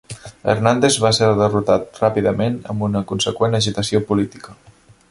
Hernández va ser derrotat ràpidament, amb una conseqüent agitació política.